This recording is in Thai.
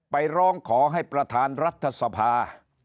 ร้องขอให้ประธานรัฐสภา